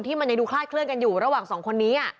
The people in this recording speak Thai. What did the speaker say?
มันยังดูคลาดเคลื่อนกันอยู่ระหว่างสองคนนี้